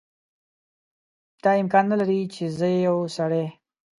دا امکان نه لري چې زه یو سړی.